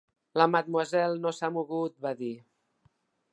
"La Mademoiselle no s"ha mogut", va dir.